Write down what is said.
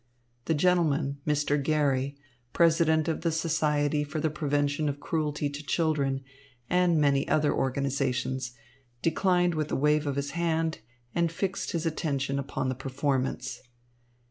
The gentleman, Mr. Garry, President of the Society for the Prevention of Cruelty to Children and many other organisations, declined with a wave of his hand and fixed his attention upon the performance.